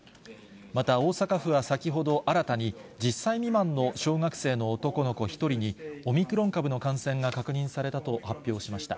また大阪府は先ほど新たに、１０歳未満の小学生の男の子１人に、オミクロン株の感染が確認されたと発表しました。